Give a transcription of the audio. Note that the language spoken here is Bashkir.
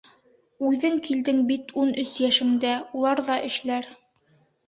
Үҙең килдең бит ун өс йәшеңдә, улар ҙа эшләр.